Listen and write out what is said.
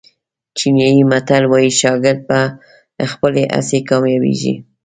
چینایي متل وایي شاګرد په خپلې هڅې کامیابېږي.